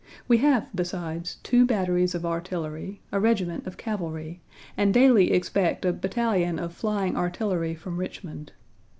We have besides, two batteries of artillery, a regiment of cavalry, and daily expect a battalion of flying artillery from Richmond.